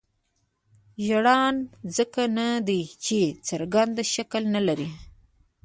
ژانر ځکه نه دی چې څرګند شکل نه لري.